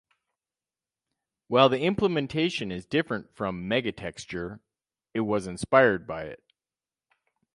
While the implementation is different from MegaTexture, it was inspired by it.